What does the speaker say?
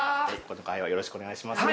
今回はよろしくお願いします